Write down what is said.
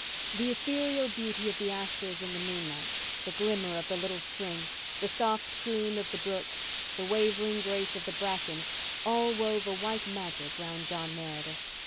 The ethereal beauty of the asters in the moonlight, the glimmer of the little spring, the soft croon of the brook, the wavering grace of the brackens all wove a white magic round John Meredith.